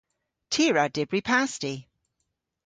Ty a wra dybri pasti.